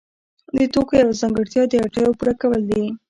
د توکو یوه ځانګړتیا د اړتیاوو پوره کول دي.